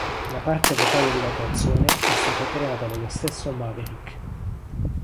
La parte vocale della canzone è stata creata dallo stesso Maverick.